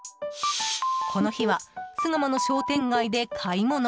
この日は巣鴨の商店街で買い物。